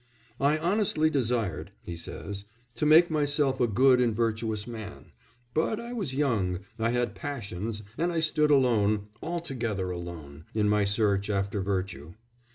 "I honestly desired," he says, "to make myself a good and virtuous man; but I was young, I had passions, and I stood alone, altogether alone, in my search after virtue.